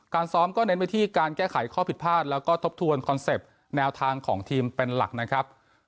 ซ้อมก็เน้นไปที่การแก้ไขข้อผิดพลาดแล้วก็ทบทวนคอนเซ็ปต์แนวทางของทีมเป็นหลักนะครับ